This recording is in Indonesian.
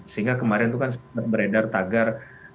sehingga kemarin itu kan beredar tagar